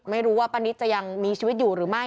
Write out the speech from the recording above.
ไม่รู้ว่าป้านิตจะยังมีชีวิตอยู่หรือไม่